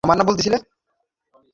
পুরো ব্যাপারটাই সম্ভবত শিশুর কল্পনা।